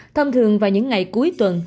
thông thường vào những ngày cuối tuần